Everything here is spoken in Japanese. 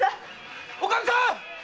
・おかみさん！